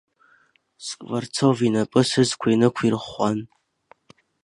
Скварцов инапы сызқәа инықәирӷәӷәан…